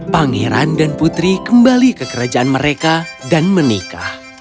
pangeran dan putri kembali ke kerajaan mereka dan menikah